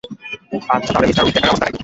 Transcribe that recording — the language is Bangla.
আচ্ছা, তাহলে মিঃ হুইটেকারের অবস্থাটা কী?